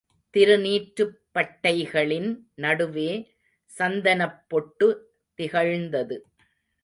திருநீற்றுப்பட்டைகளின் நடுவே சந்தனப் பொட்டு திகழ்ந்தது.